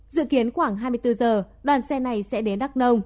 dự kiến khoảng hai mươi bốn giờ đoàn xe này sẽ đến đắk nông